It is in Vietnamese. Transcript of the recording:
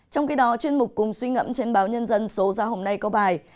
trong khi đó chuyên mục cùng suy ngẫm trên báo nhân dân số ra hôm nay có bài